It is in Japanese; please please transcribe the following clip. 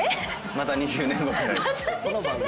また２０年後。